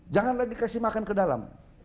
jangan lagi kasih makan ke dalam